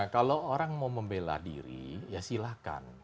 kalau orang mau membela diri ya silahkan